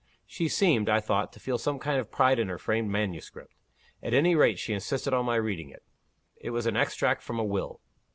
She seemed, I thought, to feel some kind of pride in her framed manuscript. At any rate, she insisted on my reading it. It was an extract from a will."